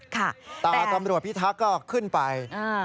แต่ตำรวจพิทักษ์ก็ขึ้นไป